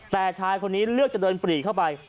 แต่ชายคนนี้เลือกจะเดินปรีเข้าไป